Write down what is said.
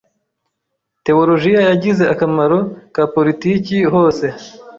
tewolojiya zagize akamaro ka politiki hose